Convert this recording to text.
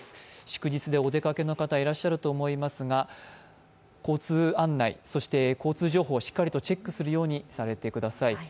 祝日でお出かけの方いらっしゃると思いますが交通案内、交通情報をしっかりとチェックしてください。